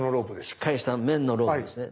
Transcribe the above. しっかりした綿のロープですね。